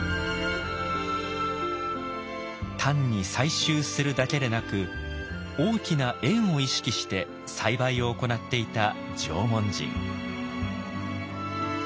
単に採集するだけでなく大きな円を意識して栽培を行っていた縄文人。